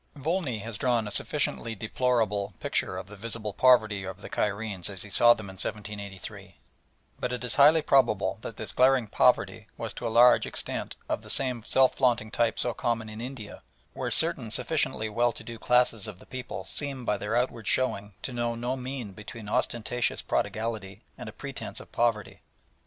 Volney has drawn a sufficiently deplorable picture of the visible poverty of the Cairenes as he saw them in 1783, but it is highly probable that this glaring poverty was to a large extent of the same self flaunting type so common in India, where certain sufficiently well to do classes of the people seem by their outward showing to know no mean between ostentatious prodigality and a pretence of poverty.